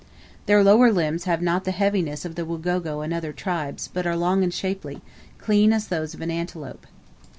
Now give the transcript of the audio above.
Their lower limbs have not the heaviness of the Wagogo and other tribes, but are long and shapely, clean as those of an antelope.